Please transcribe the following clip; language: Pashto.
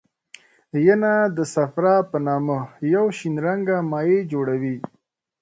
ینه د صفرا په نامه یو شین رنګه مایع جوړوي.